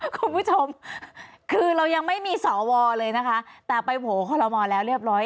คุณผู้ชมคือเรายังไม่มีสวเลยนะคะแต่ไปโผล่คอลโมแล้วเรียบร้อย